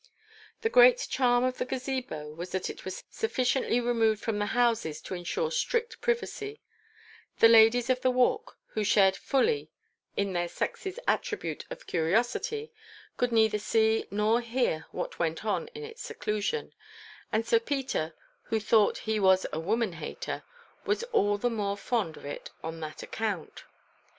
The great charm of the Gazebo was that it was sufficiently removed from the houses to ensure strict privacy: the ladies of the Walk, who shared fully in their sex's attribute of curiosity, could neither see nor hear what went on in its seclusion, and Sir Peter, who thought he was a woman hater, was all the more fond of it on that account.